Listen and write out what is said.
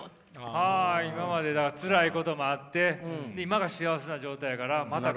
あ今までつらいこともあって今が幸せな状態やからまた。